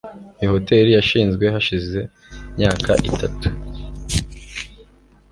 Iyo hoteri yashinzwe hashize imyaka itatu